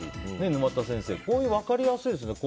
沼田先生、こういう分かりやすいですね。